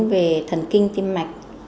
về thần kinh tim mạch